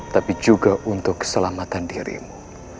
tapi juga untuk keselamatan dirimu